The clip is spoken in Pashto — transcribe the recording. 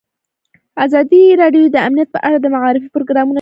ازادي راډیو د امنیت په اړه د معارفې پروګرامونه چلولي.